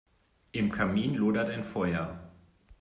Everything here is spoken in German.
Im Kamin lodert ein Feuer.